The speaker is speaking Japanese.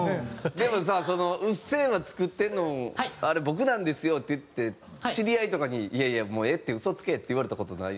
でもさその「『うっせぇわ』作ってるのあれ僕なんですよ」って言って知り合いとかに「いやいやもうええって。嘘つけ」って言われた事ない？